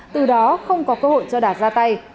từ đó không có cơ hội cho đạt ra tay